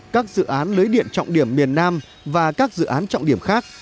các dự án lưới điện trọng điểm miền nam và các dự án trọng điểm khác